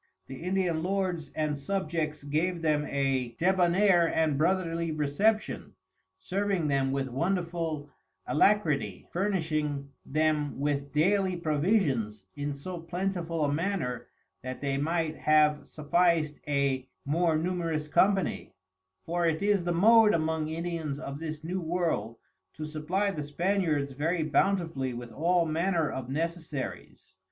The Indian Lords and Subjects gave them a Debonair and Brotherly Reception, serving them with wonderful Alacrity, furnishing them with dayly Provisions in so plentiful a manner, that they might have sufficed a more numerous Company; for it is the Mode among Indians of this New World, to supply the Spaniards very bountifuly with all manner of Necessaries.